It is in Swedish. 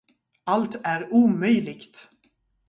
Allt är omöjligt.